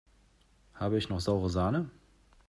Habe ich noch saure Sahne?